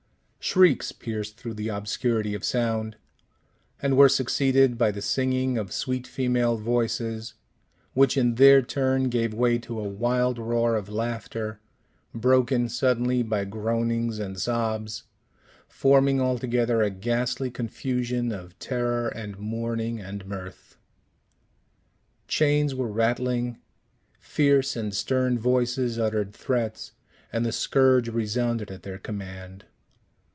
Shrieks pierced through the obscurity of sound, and were succeeded by the singing of sweet female voices, which, in their turn, gave way to a wild roar of laughter, broken suddenly by groanings and sobs, forming altogether a ghastly confusion of terror and mourning and mirth. Chains were rattling, fierce and stern voices uttered threats, and the scourge resounded at their command.